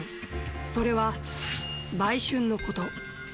それは売春のこと。